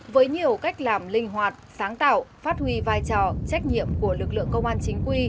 với nhiều cách làm linh hoạt sáng tạo phát huy vai trò trách nhiệm của lực lượng công an chính quy